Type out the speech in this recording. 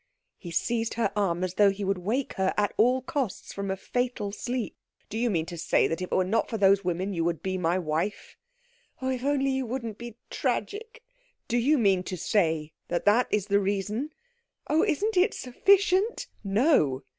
He seized her arm as though he would wake her at all costs from a fatal sleep. "Do you mean to say that if it were not for those women you would be my wife?" "Oh, if only you wouldn't be tragic " "Do you mean to say that is the reason?" "Oh, isn't it sufficient " "No.